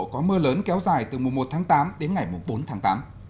có mưa lớn kéo dài từ mùa một tháng tám đến ngày bốn tháng tám